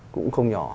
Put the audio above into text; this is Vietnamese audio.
cũng không nhỏ